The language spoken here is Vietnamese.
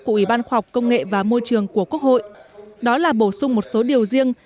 của ủy ban khoa học công nghệ và môi trường của quốc hội đó là bổ sung một số điều riêng